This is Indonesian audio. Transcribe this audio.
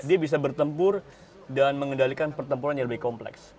dia bisa bertempur dan mengendalikan pertempuran yang lebih kompleks